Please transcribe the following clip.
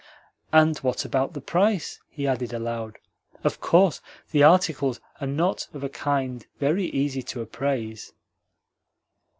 "And what about the price?" he added aloud. "Of course, the articles are not of a kind very easy to appraise."